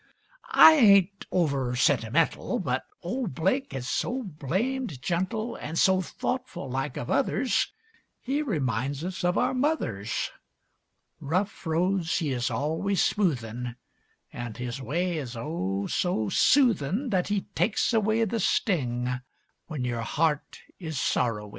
I ain't over sentimental, But old Blake is so blamed gentle An' so thoughtful like of others He reminds us of our mothers. Rough roads he is always smoothin', An' his way is, oh, so soothin' That he takes away the sting When your heart is sorrowing.